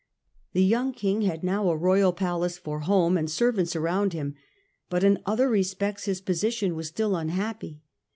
The young King had now a royal palace for home and servants around him, but in other respects his position was still unhappy.